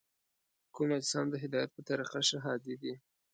کوم اجسام د هدایت په طریقه ښه هادي دي؟